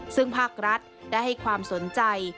ซึ่งภาครัฐได้ให้ความสนใจ